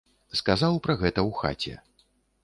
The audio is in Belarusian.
Сказаў пра гэта ў хаце.